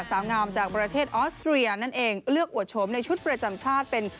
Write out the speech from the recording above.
สาวงามจากประเทศออสเตรียนั่นเองเลือกอวดโฉมในชุดประจำชาติเป็น